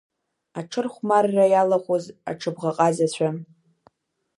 Аҽырхәмарра иалахәыз аҽыбӷаҟазацәа…